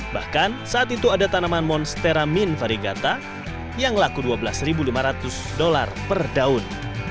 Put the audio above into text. bahkan saat itu ada tanaman monstera min varigata yang laku dua belas lima ratus dolar per daun